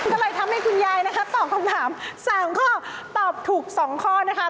ก็เลยทำให้คุณยายนะคะตอบคำถาม๓ข้อตอบถูก๒ข้อนะคะ